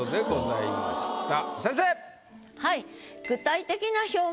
はい。